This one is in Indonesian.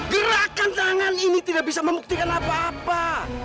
gerakan tangan ini tidak bisa membuktikan apa apa